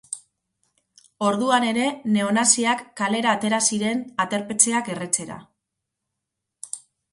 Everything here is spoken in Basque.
Orduan ere neonaziak kalera atera ziren aterpetxeak erretzera.